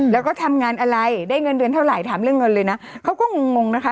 แล้วก็ทำงานอะไรได้เงินเดือนเท่าไหร่ถามเรื่องเงินเลยนะเขาก็งงนะคะ